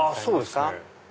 そうですね。